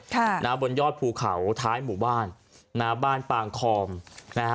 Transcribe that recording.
ค่ะนะฮะบนยอดภูเขาท้ายหมู่บ้านนะฮะบ้านปางคอมนะฮะ